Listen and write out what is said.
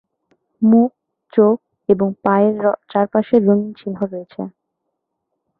মুখ, চোখ এবং পায়ের চারপাশে রঙিন চিহ্ন রয়েছে।